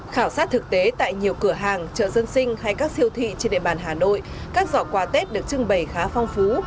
khảo sát thực tế tại nhiều cửa hàng chợ dân sinh hay các siêu thị trên địa bàn hà nội các giỏ quà tết được trưng bày khá phong phú